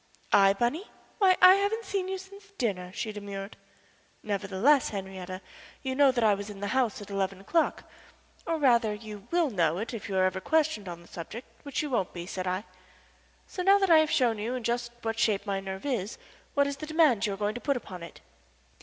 "I, Bunny? Why, I haven't seen you since dinner," she demurred. "Nevertheless, Henriette, you know that I was in the house at eleven o'clock last night or, rather, you will know it if you are ever questioned on the subject, which you won't be," said I. "So, now that I have shown you in just what shape my nerve is, what is the demand you are going to put upon it?"